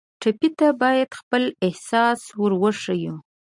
ټپي ته باید خپل احساس ور وښیو.